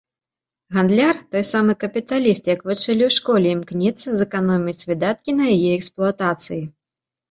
Гандляр, той самы капіталіст, як вучылі ў школе, імкнецца зэканоміць выдаткі на яе эксплуатацыі.